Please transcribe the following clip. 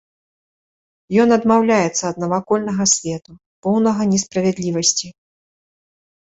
Ён адмаўляецца ад навакольнага свету, поўнага несправядлівасці.